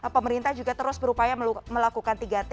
pemerintah juga terus berupaya melakukan tiga t